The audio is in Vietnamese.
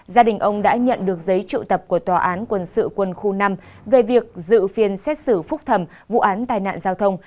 gia đình ông đã nhận được giấy trụ tập của tòa án quân sự quân khu năm về việc dự phiên xét xử phúc thẩm vụ án tai nạn giao thông